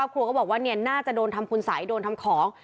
ครอบครัวก็บอกว่าน่าจะโดนทำคุณสัยโดนทำของ